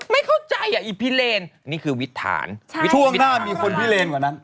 ไม่เข้าใจอ่ะอีพิเลนนี่คือวิทธานใช่ช่วงหน้ามีคนพิเลนกว่านั้น